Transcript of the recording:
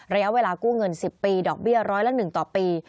ระยะเวลากู้เงิน๑๐ปีดอกเบี้ยร้อยละ๑ต่อปี